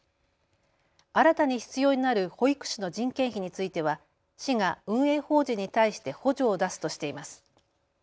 新たに必要になる保育士の人件費については市が運営法人に対して補助を出すとしています。